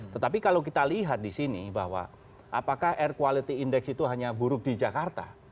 tetapi kalau kita lihat di sini bahwa apakah air quality index itu hanya buruk di jakarta